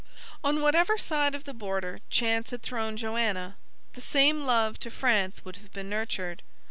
On whatever side of the border chance had thrown Joanna, the same love to France would have been nurtured.